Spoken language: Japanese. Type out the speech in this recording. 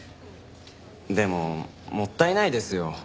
でももったいないですよ。